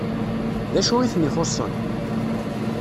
D acu i ten-ixuṣṣen?